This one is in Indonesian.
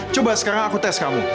coba sekarang aku tes kamu